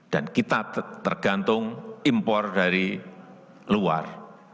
dan kita tergantung impor dari luar